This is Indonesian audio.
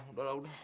udah lah udah